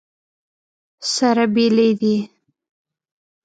سره بېلې دي.